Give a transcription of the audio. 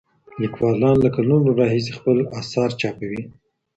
لیکوالان له کلونو راهیسې خپل اثار چاپوي.